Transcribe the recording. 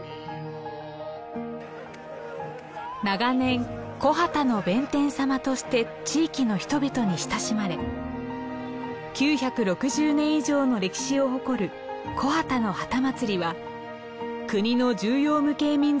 長年「木幡の弁天様」として地域の人々に親しまれ９６０年以上の歴史を誇る木幡の幡祭りは国の重要無形民俗